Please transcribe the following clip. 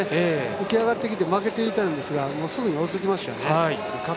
浮き上がってきて負けていたんですがすぐ追いつきました。